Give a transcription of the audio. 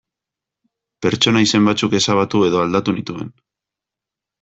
Pertsona izen batzuk ezabatu edo aldatu nituen.